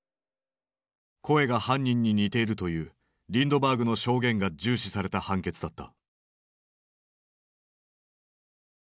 声が犯人に似ているというリンドバーグの証言が重視された判決だった。